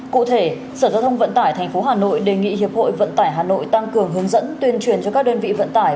cụ thể sở giao thông vận tải tp hà nội đề nghị hiệp hội vận tải hà nội tăng cường hướng dẫn tuyên truyền cho các đơn vị vận tải